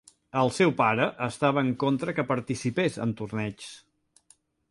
El seu pare estava en contra que participés en torneigs.